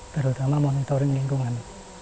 terutama monitoring lingkungan